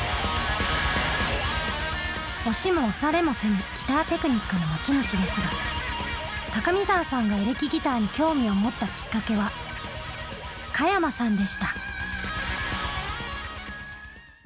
押しも押されもせぬギターテクニックの持ち主ですが高見沢さんがエレキギターに興味を持ったきっかけは加山さんでした。